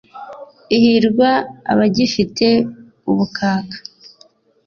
ihirwa abagifite ubukaka